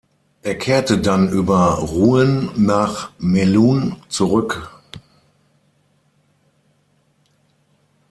Er kehrte dann über Rouen nach Melun zurück.